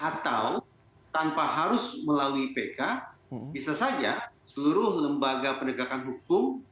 atau tanpa harus melalui pk bisa saja seluruh lembaga penegakan hukum